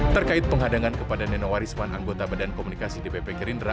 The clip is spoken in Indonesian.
terkait penghadangan kepada nenowarisman anggota badan komunikasi dpp gerindra